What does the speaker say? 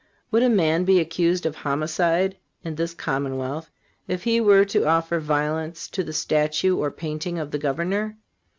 Would a man be accused of homicide, in this commonwealth, if he were to offer violence to the statue or painting of the governor?